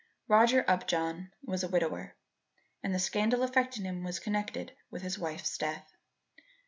Roger Upjohn was a widower, and the scandal affecting him was connected with his wife's death.